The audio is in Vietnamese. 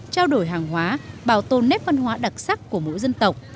trao đổi hàng hóa bảo tồn nét văn hóa đặc sắc của mỗi dân tộc